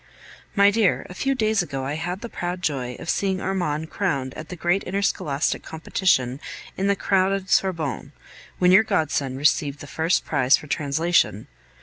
My dear, a few days ago I had the proud joy of seeing Armand crowned at the great interscholastic competition in the crowded Sorbonne, when your godson received the first prize for translation.